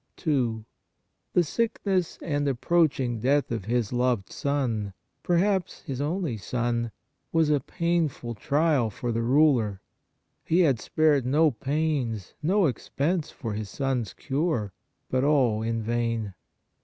2. The sickness and approaching death of his loved son, perhaps his only son, was a painful trial for the ruler. He had spared no pains, no expense for his son s cure, but all in vain.